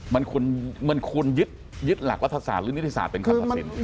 มันควรยึดหลักรัฐศาสตร์หรือนิติศาสตร์เป็นคำตัดสิน